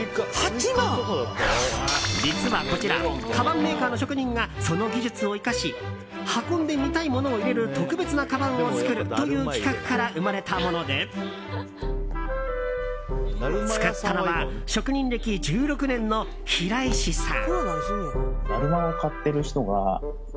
実はこちらかばんメーカーの職人がその技術を生かし運んでみたいものを入れる特別なかばんを作るという企画から生まれたもので作ったのは職人歴１６年の平石さん。